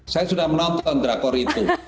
saya sudah menonton drakor itu